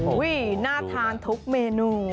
โอ้โหน่าทานทุกเมนู